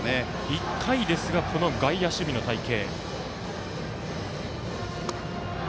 １回ですが外野守備の隊形。